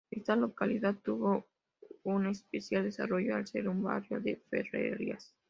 Esta localidad tuvo un especial desarrollo al ser un barrio de ferrerías.